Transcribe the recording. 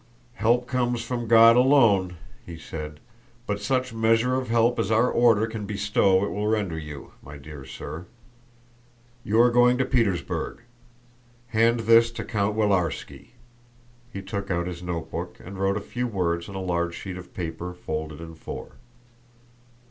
"Help comes from God alone," he said, "but such measure of help as our Order can bestow it will render you, my dear sir. You are going to Petersburg. Hand this to Count Willarski" (he took out his notebook and wrote a few words on a large sheet of paper folded in four).